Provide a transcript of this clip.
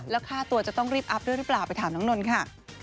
แล้วค่าตัวจะต้องรีบอัพด้วยหรือเปล่าไปถามน้องนนท์ค่ะ